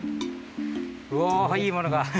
うわあいいものが。